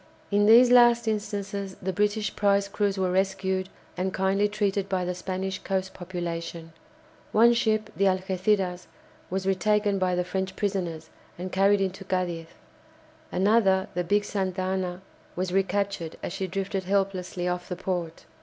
In these last instances the British prize crews were rescued and kindly treated by the Spanish coast population. One ship, the "Algéciras," was retaken by the French prisoners, and carried into Cadiz. Another, the big "Santa Ana," was recaptured as she drifted helplessly off the port.